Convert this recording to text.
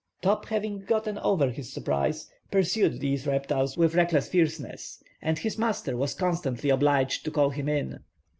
Top having gotten over his surprise, pursued these reptiles with reckless fierceness, and his master was constantly obliged to call him in.